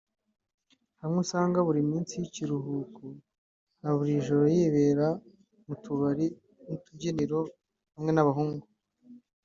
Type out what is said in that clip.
hamwe usanga buri minsi y’ikiruhuko na buri joro yibera mu tubari n’utubyiniro hamwe n’abahungu